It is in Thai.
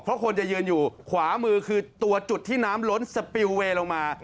เพราะคนจะยืนอยู่ขวามือคือตัวจุดที่น้ำล้นสปิลเวย์ลงมา